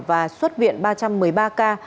và xuất viện ba trăm một mươi ba ca